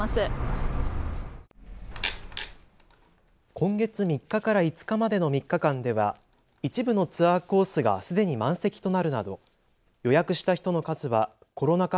今月３日から５日までの３日間では一部のツアーコースがすでに満席となるなど予約した人の数はコロナ禍